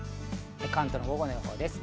関東の午後の予報です。